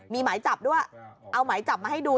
มีหมายจับด้วยเอาหมายจับมาให้ดู